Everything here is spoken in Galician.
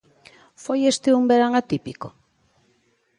Foi este un verán atípico?